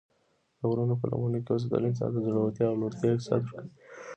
د غرونو په لمنو کې اوسېدل انسان ته د زړورتیا او لوړتیا احساس ورکوي.